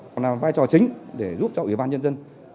nó là vai trò chính để giúp cho ủy ban nhân dân